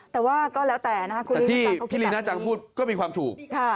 แต่ว่าก็แล้วแต่นะคุณลีที่พี่ลีน่าจังพูดก็มีความถูก